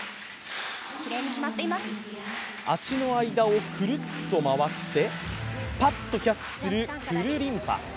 足の裏をくるっと回ってパッとキャッチするくるりんぱ。